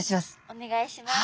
お願いします。